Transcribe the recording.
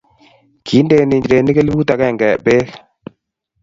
Kindeni nchirenik elfut agenge beek.